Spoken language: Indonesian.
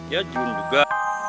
ya jun juga